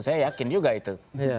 saya yakin juga itu